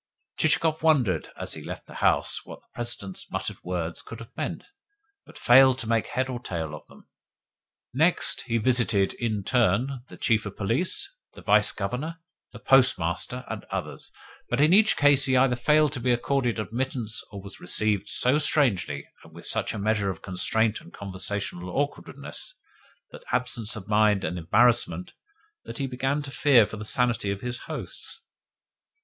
Chichikov wondered, as he left the house, what the President's muttered words could have meant, but failed to make head or tail of them. Next, he visited, in turn, the Chief of Police, the Vice Governor, the Postmaster, and others; but in each case he either failed to be accorded admittance or was received so strangely, and with such a measure of constraint and conversational awkwardness and absence of mind and embarrassment, that he began to fear for the sanity of his hosts.